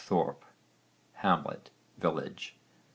þorp, hamlet, village.